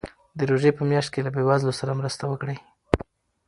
د روژې په میاشت کې له بېوزلو سره مرسته وکړئ.